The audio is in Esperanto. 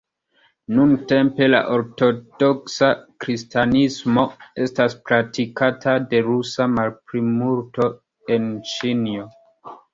Nuntempe, la ortodoksa kristanismo estas praktikata de rusa malplimulto en Ĉinio.